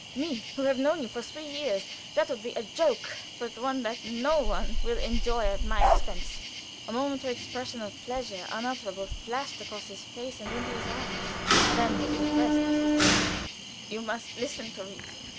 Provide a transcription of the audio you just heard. "Me, who have known you for three years. That would be a joke, but one that no one will enjoy at my expense." A momentary expression of pleasure unutterable flashed across his face and into his eyes; then was repressed, as he said: "You must listen to reason.